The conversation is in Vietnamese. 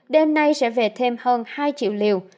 đêm nay sẽ về thêm hơn hai triệu liều